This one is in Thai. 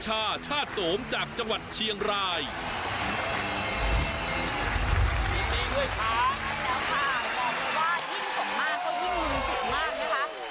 ว่ายิ่งสมมากก็ยิ่งรู้สึกมากนะคะ